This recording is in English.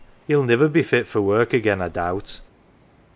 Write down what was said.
Hell niver be fit for work again, I doubt."